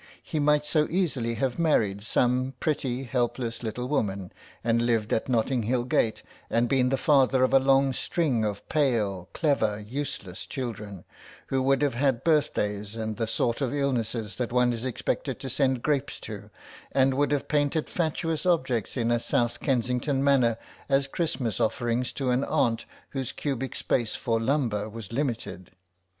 He might so easily have married some pretty helpless little woman, and lived at Notting Hill Gate, and been the father of a long string of pale, clever useless children, who would have had birthdays and the sort of illnesses that one is expected to send grapes to, and who would have painted fatuous objects in a South Kensington manner as Christmas offerings to an aunt whose cubic space for lumber was limited.